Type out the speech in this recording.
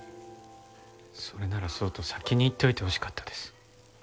それならそうと先に言っておいてほしかったです。